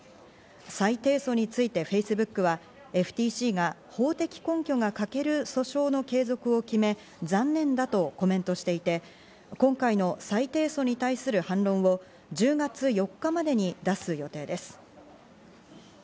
再提訴についてＦａｃｅｂｏｏｋはＦＴＣが法的根拠が欠ける訴訟の継続を決め、残念だとコメントしていて今回の再提訴に対する反論を１０月４日までに出す予定です。